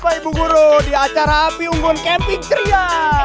bapak ibu guru di acara api unggul camping ceria